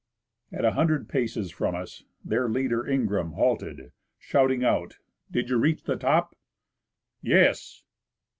At a hundred paces from us, their leader, Ingraham, halted, shouting out, " Did you reach the top ?"" Yes."